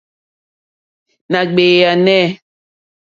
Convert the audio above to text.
Nà ɡbèànà.